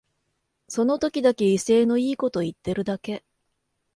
その時だけ威勢のいいこと言ってるだけ